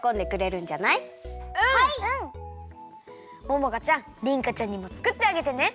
ももかちゃんりんかちゃんにもつくってあげてね！